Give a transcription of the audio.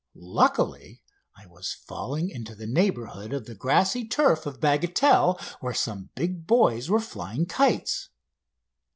Luckily, I was falling in the neighbourhood of the grassy turf of Bagatelle, where some big boys were flying kites.